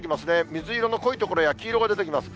水色の濃い所や、黄色が出てきます。